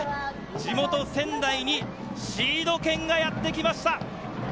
地元・仙台にシード権がやってきました。